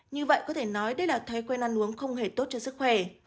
như vậy có thể nói đây là thói quen ăn uống không hề tốt cho sức khỏe